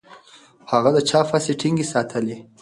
هغه د چاپ هڅې ټینګې ساتلې.